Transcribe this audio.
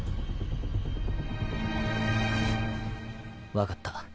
分かった。